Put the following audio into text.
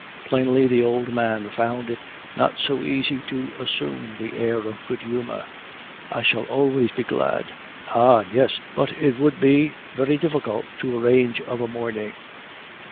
(Plainly the old man found it not so easy to assume the air of good humor.) "'I shall always be glad.' "'Ah! yes, but it would be very difficult to arrange of a morning.